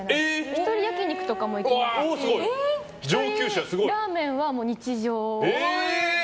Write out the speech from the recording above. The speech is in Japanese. １人焼き肉とかも行きますし１人ラーメンは日常ですし。